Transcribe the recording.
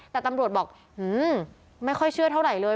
แต่ตำรวจบอกไม่ค่อยเชื่อเท่าไหร่เลย